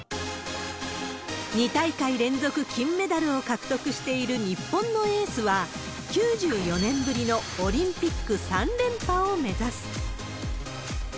２大会連続金メダルを獲得している日本のエースは、９４年ぶりのオリンピック３連覇を目指す。